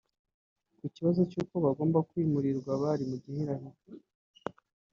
Ku kibazo cy’uko abagomba kwimurwa bari mu gihirahiro